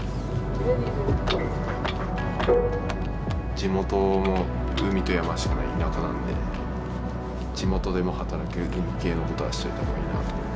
地元も海と山しかない田舎なんで地元でも働ける海系のことはしといた方がいいなと思って。